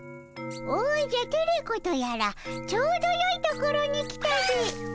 おじゃテレ子とやらちょうどよいところに来たでおじゃ。